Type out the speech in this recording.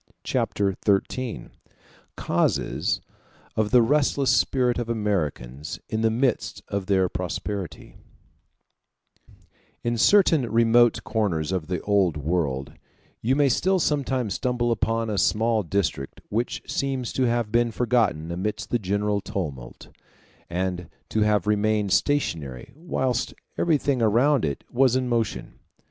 Chapter XIII: Causes Of The Restless Spirit Of Americans In The Midst Of Their Prosperity In certain remote corners of the Old World you may still sometimes stumble upon a small district which seems to have been forgotten amidst the general tumult, and to have remained stationary whilst everything around it was in motion.